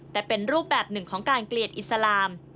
แต่เป็นรูปแบบหนึ่งของการเกลียดอิสลาม